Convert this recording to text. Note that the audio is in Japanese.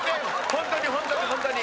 ホントにホントにホントに。